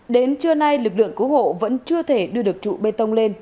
đến trưa nay lực lượng cứu hộ vẫn chưa thể đưa được trụ bê tông lên